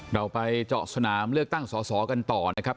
เราไปเจาะสนามเลือกตั้งสอสอกันต่อนะครับ